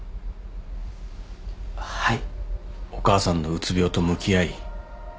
はい。